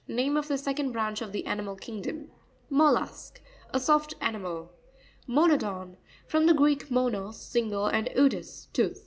Name of the second branch of the animal kingdom. Mo'tiusk.—A soft animal. Mo'nopon.—From the Greek, monos, single, and odous, tooth.